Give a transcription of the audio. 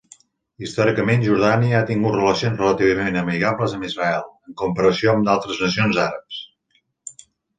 Històricament, Jordània ha tingut relacions relativament amigables amb Israel en comparació amb altres nacions àrabs.